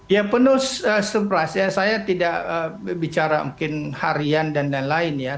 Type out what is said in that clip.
ya penuh surprise ya saya tidak bicara mungkin harian dan lain lain ya